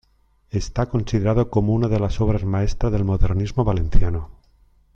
Está considerado cómo una de las obras maestras del modernismo valenciano.